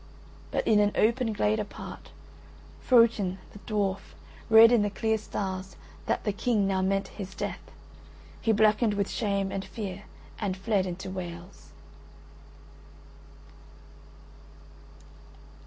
But in an open glade apart, Frocin, the Dwarf, read in the clear stars that the King now meant his death; he blackened with shame and fear and fled into Wales.